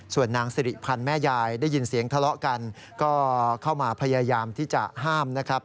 ส่วนนางสิริพันธ์แม่ยายได้ยินเสียงทะเลาะกันก็เข้ามาพยายามที่จะห้ามนะครับ